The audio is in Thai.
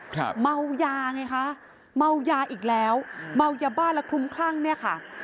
เมายาไงคะเมายาอีกแล้วเมายาบ้าแล้วคลุ้มคลั่งเนี่ยค่ะ